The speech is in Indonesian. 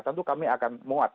tentu kami akan muat